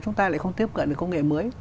chúng ta lại không tiếp cận công nghệ mới